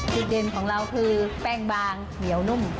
จุดเด่นของเราคือแป้งบางเขียวนุ่ม